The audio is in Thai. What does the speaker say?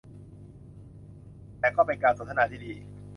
แต่ก็เป็นการสนทนาที่ดี